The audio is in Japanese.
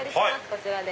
こちらで。